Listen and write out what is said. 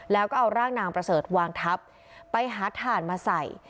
แล้วก็เอาร่างนางประเสริฐวางทับไปหาถ่านมาใส่